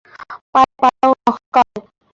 পায়ের পাতা ও নখ কালো।